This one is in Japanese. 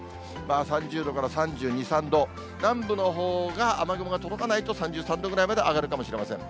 ３０度から３２、３度、南部のほうが、雨雲が届かないと３３度ぐらいまで上がるかもしれません。